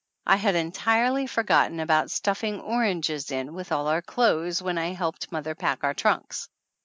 I had entirely forgotten about stuffing oranges in with all our clothes when I helped mother pack our trunks